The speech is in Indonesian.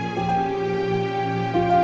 kau mau ngapain